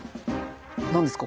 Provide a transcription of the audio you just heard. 何ですか？